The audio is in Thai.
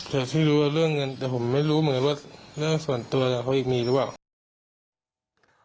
ที่รู้เรื่องเงินแต่ผมไม่รู้เหมือนว่าเรื่องส่วนตัวกับเขาอีกมีหรือเปล่า